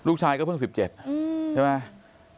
ลูกชายก็เพิ่ง๑๗ใช่ไหม